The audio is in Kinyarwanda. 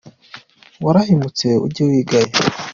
warahemutse ujye wigaya